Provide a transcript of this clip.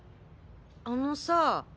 あのさぁ。